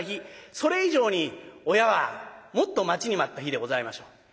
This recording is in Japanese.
それ以上に親はもっと待ちに待った日でございましょう。